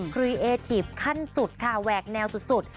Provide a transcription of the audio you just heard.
ครีเอทีฟขั้นสุดค่ะแหวกแนวสุด